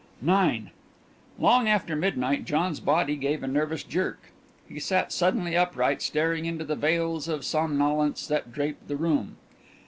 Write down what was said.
IX Long after midnight John's body gave a nervous jerk, and he sat suddenly upright, staring into the veils of somnolence that draped the room.